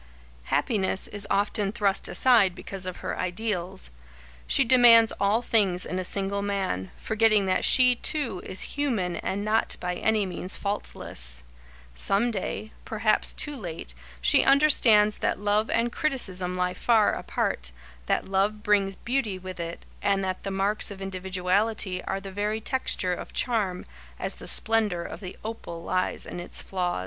Happiness is often thrust aside because of her ideals. She demands all things in a single man, forgetting that she, too, is human and not by any means faultless. Some day, perhaps too late, she understands that love and criticism lie far apart, that love brings beauty with it, and that the marks of individuality are the very texture of charm, as the splendour of the opal lies in its flaws.